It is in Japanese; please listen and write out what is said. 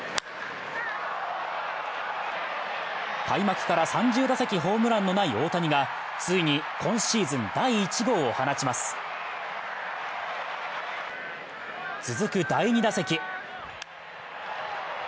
開幕から３０打席ホームランのない大谷がついに今シーズン第１号を放ちます続く第２打席。